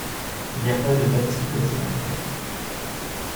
Il n'y a pas de bâtis côté impair.